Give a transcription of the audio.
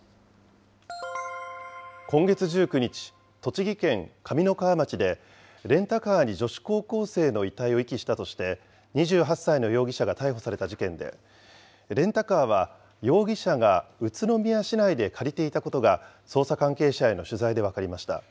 今月１９日、栃木県上三川町で、レンタカーに女子高校生の遺体を遺棄したとして、２８歳の容疑者が逮捕された事件で、レンタカーは容疑者が宇都宮市内で借りていたことが、捜査関係者への取材で分かりました。